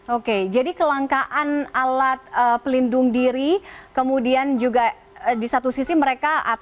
oke jadi kelangkaan alat pelindung diri kemudian juga di satu sisi mereka